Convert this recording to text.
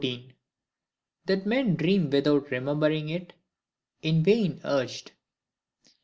14. That men dream without remembering it, in vain urged.